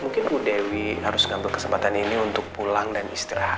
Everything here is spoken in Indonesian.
mungkin bu dewi harus ngambil kesempatan ini untuk pulang dan istirahat